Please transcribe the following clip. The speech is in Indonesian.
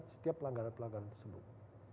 setiap pelanggaran pelanggaran tersebut